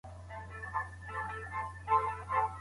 د څپو سپین ځګونه